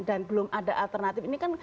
dan belum ada alternatif ini kan